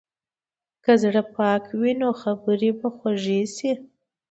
که زړه پاک وي، نو خبرې به خوږې شي.